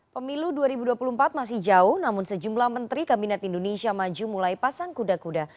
pemilu dua ribu dua puluh empat masih jauh namun sejumlah menteri kabinet indonesia maju mulai pasang kuda kuda